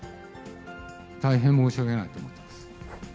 大変申し訳ないと思っています。